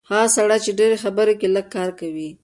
هغه سړی چې ډېرې خبرې کوي، لږ کار کوي.